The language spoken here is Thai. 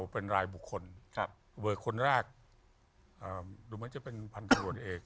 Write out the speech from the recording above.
เป็นรายบุคคลครับเวอร์คนแรกอ่าดูมันจะเป็นพันธุรกิจเอก